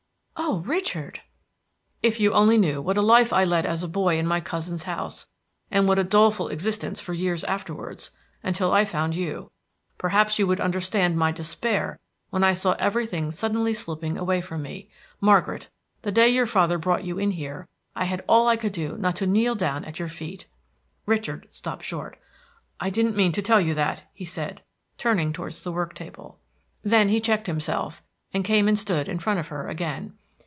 "Oh, Richard!" "If you only knew what a life I led as a boy in my cousin's house, and what a doleful existence for years afterwards, until I found you, perhaps you would understand my despair when I saw everything suddenly slipping away from me. Margaret! the day your father brought you in here, I had all I could do not to kneel down at your feet" Richard stopped short. "I didn't mean to tell you that," he added, turning towards the work table. Then he checked himself, and came and stood in front of her again.